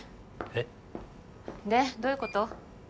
えっ？でどういうこと？